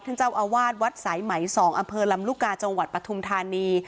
ท่านเจ้าอาวาสวัดสายไหม๒อำเภอลำลูกกาจังหวัดปฐุมธานี